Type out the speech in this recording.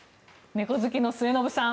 猫好きの末延さん